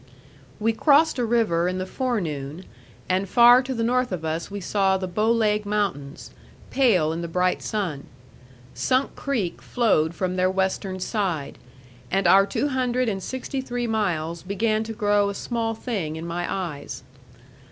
We crossed a river in the forenoon, and far to the north of us we saw the Bow Leg Mountains, pale in the bright sun. Sunk Creek flowed from their western side, and our two hundred and sixty three miles began to grow a small thing in my eyes.